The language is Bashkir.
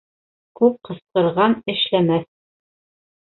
Күп ҡысҡырған эшләмәҫ.